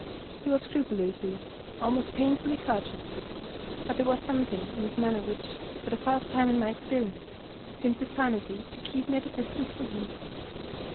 He was scrupulously, almost painfully, courteous; but there was something in his manner which, for the first time in my experience, seemed designedly to keep me at a distance from him.